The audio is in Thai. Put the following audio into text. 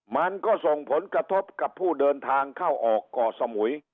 มันก็ส่งผลกระทบกับผู้เดินทางเข้าออกก่อสมุย